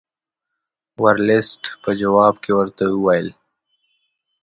ورلسټ په جواب کې ورته ولیکل.